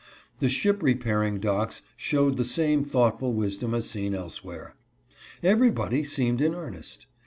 The ship repairing docks showed the same thoughtful wisdom as seen elsewhere. Everybody seemed in earnest.